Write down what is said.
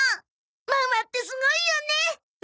ママってすごいよね！